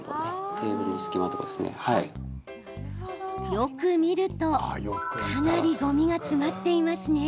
よく見るとかなり、ごみが詰まっていますね。